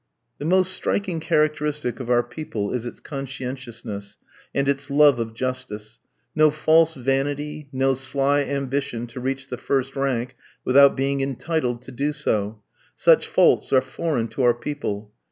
The most striking characteristic of our people is its conscientiousness, and its love of justice; no false vanity, no sly ambition to reach the first rank without being entitled to do so; such faults are foreign to our people.